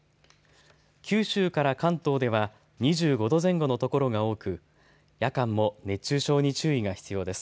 九州から関東では２５度前後のところが多く夜間も熱中症に注意が必要です。